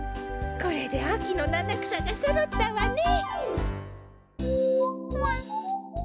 これであきのななくさがそろったわね。